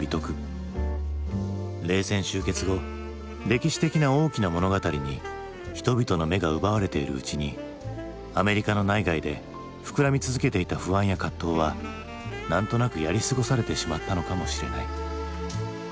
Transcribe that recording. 冷戦終結後歴史的な大きな物語に人々の目が奪われているうちにアメリカの内外で膨らみ続けていた不安や葛藤は何となくやり過ごされてしまったのかもしれない。